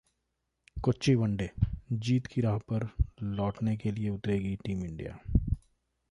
Kochi one day जीत की राह पर लौटने के लिए उतरेगी टीम इंडिया